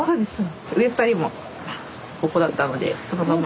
上２人もここだったのでそのまま。